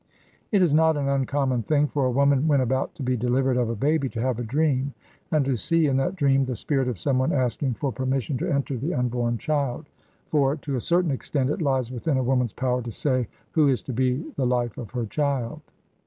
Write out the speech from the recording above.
It is not an uncommon thing for a woman when about to be delivered of a baby to have a dream, and to see in that dream the spirit of someone asking for permission to enter the unborn child; for, to a certain extent, it lies within a woman's power to say who is to be the life of her child.